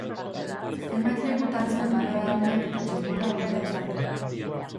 Zenbait lekutan zaparrada handiak eta txingorra bota dezake.